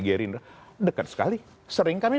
gri dekat sekali sering kami